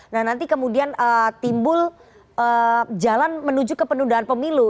nah nanti kemudian timbul jalan menuju ke penundaan pemilu